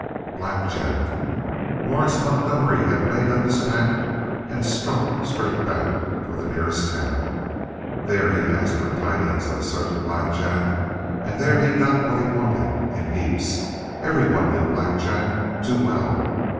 Black Jack! Lawrence Montgomery had made up his pack and struck straight back for the nearest town. There he asked for tidings of a certain Black Jack, and there he got what he wanted in heaps. Everyone knew Black Jack too well!